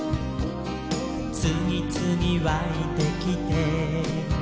「つぎつぎわいてきて」